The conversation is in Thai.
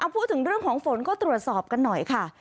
พูดถึงเรื่องของฝนก็ตรวจสอบกันหน่อยค่ะ